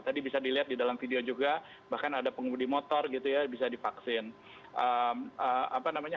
tadi bisa dilihat di dalam video juga bahkan ada pengemudi motor gitu ya bisa divaksin